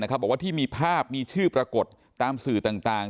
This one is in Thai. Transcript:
บอกว่าที่มีภาพมีชื่อปรากฏตามสื่อต่าง